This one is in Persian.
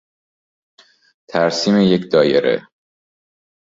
ترسیم یک دایره